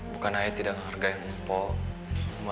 bukan saya tidak ngehargai impor